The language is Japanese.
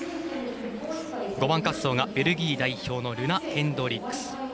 ５番滑走がベルギー代表のルナ・ヘンドリックス。